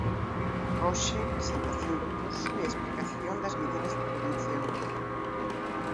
Hoxe presentación do curso e explicación das medidas de prevención.